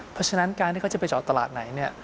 เพราะฉะนั้นการที่เขาจะไปเจาะตลาดไหน